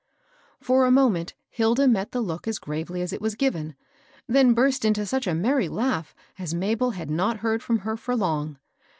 For a moment Hilda met the look as gravely as it was given, then burst into such a merry laugh as Mabel had not heard fi:om her for long.